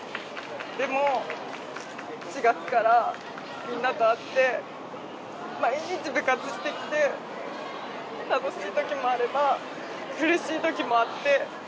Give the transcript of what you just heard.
でも４月からみんなと会って毎日部活してきて楽しいときもあれば苦しいときもあって。